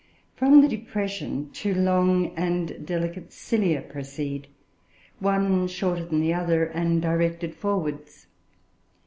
From the depression, two long and delicate cilia proceed, one shorter than the other, and directed forwards.